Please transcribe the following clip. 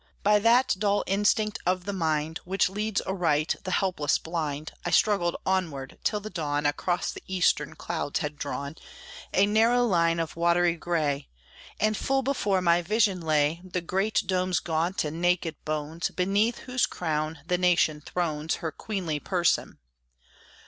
By that dull instinct of the mind, Which leads aright the helpless blind, I struggled onward, till the dawn Across the eastern clouds had drawn A narrow line of watery gray; And full before my vision lay The great dome's gaunt and naked bones Beneath whose crown the nation thrones Her queenly person.